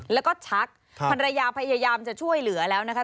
แล้วก็ชักภรรยาพยายามจะช่วยเหลือแล้วนะคะ